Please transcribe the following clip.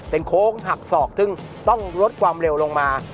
โค้งหักศอกซึ่งต้องลดความเร็วลงมา